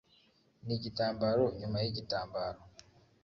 n'igitambaro nyuma yigitambaro